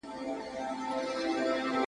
د عقاب په آشيانوکي ,